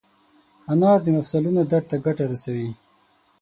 انار د مفصلونو درد ته ګټه رسوي.